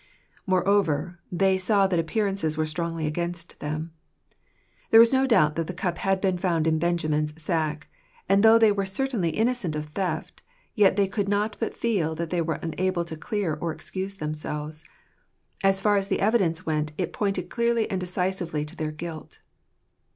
Moreover , they saw that appearances were strongly against them. There was no doubt that the cup had been found in Benjamin's sack; and though they were certainly in nocent of the theft, yet they could not but feel that they were unable to clear or excuse themselves. As far as the evidence went, it pointed clearly and decisively to their guilt.